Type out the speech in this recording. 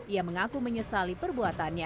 ia mengaku menyesali perbuatannya